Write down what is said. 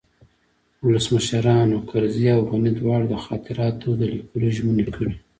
ولسمشرانو کرزي او غني دواړو د خاطراتو د لیکلو ژمني کړې